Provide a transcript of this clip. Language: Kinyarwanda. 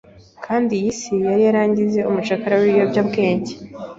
kandi iy isi yari yarangize umucakara w’ ibiyobyabwenge,